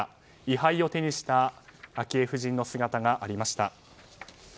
位牌を手にした昭恵夫人の姿がありました。